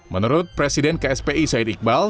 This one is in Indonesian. menurut presiden kspi said iqbal